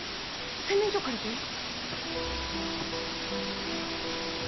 洗面所借りていい？